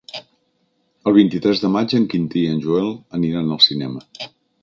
El vint-i-tres de maig en Quintí i en Joel aniran al cinema.